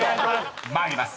［参ります。